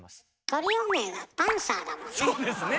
トリオ名がパンサーだもんね。